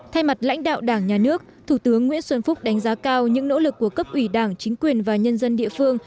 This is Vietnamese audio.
thay mặt lãnh đạo đảng nhà nước thủ tướng nguyễn xuân phúc đánh giá cao những nỗ lực của cấp ủy đảng chính quyền và nhân dân địa phương